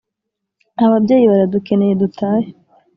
Ababyeyi baradukeneye dutahe"